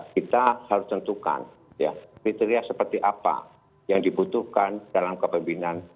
kita harus tentukan kriteria seperti apa yang dibutuhkan dalam kepemimpinan